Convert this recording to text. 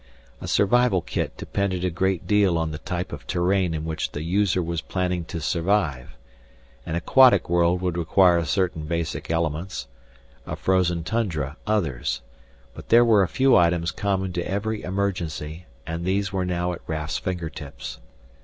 A survival kit depended a great deal on the type of terrain in which the user was planning to survive an aquatic world would require certain basic elements, a frozen tundra others but there were a few items common to every emergency, and those were now at Raf's fingertips.